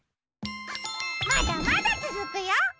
まだまだつづくよ。